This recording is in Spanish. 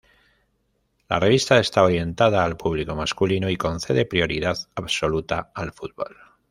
La revista está orientada al público masculino y concede prioridad absoluta al fútbol.